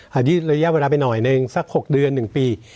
ที่ระยะเวลาไปหน่อยหนึ่งสัก๖เดือน๑ปี